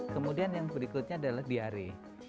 kemudian yang berikutnya adalah diare